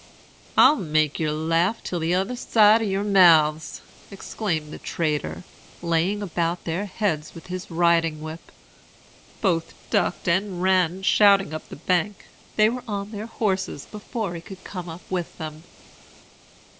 "'I'll make yer laugh t'other side yer mouths!' exclaimed the trader, laying about their heads with his riding whip. Both ducked, and ran shouting up the bank. They were on their horses before he could come up with them.